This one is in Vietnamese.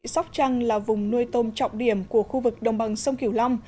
sóc trăng là vùng nuôi tôm trọng điểm của khu vực đồng bằng sông kiểu long